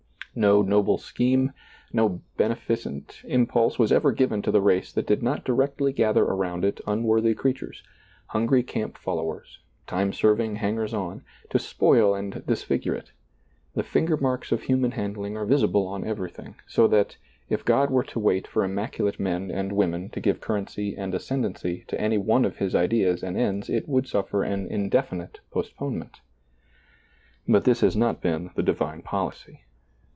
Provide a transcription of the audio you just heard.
No noble scheme, no benefi cent impulse was ever given to the race that did not directly gather around it unworthy creatures, hungry camp followers, time serving hangers on, to spoil and disfigure it; the finger marks of human handling are visible on everything, so that, if God were to wait for immaculate men and women to give currency and ascendency to any one of His ideas and ends it would sutler an indefinite postponement. But this has not been the divine policy.